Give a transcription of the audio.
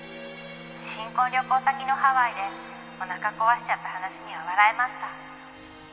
「新婚旅行先のハワイでおなか壊しちゃった話には笑えました」